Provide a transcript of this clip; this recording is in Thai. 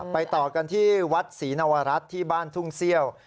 ต่อกันที่วัดศรีนวรัฐที่บ้านทุ่งเซี่ยว